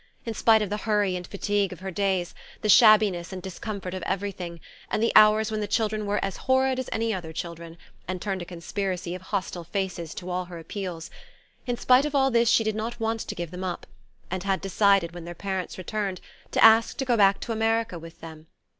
In spite of the hurry and fatigue of her days, the shabbiness and discomfort of everything, and the hours when the children were as "horrid" as any other children, and turned a conspiracy of hostile faces to all her appeals; in spite of all this she did not want to give them up, and had decided, when their parents returned, to ask to go back to America with them.